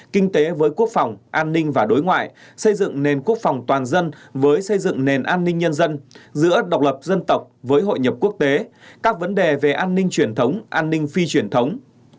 kinh tế với quốc phòng an ninh và đối ngoại xây dựng nền quốc phòng toàn dân với xây dựng nền an ninh nhân dân giữa độc lập dân tộc với hội nhập quốc tế các vấn đề về an ninh truyền thống an ninh phi truyền thống